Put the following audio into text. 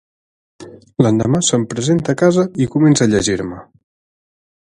L'endemà se'm presenta a casa i comença a llegir-me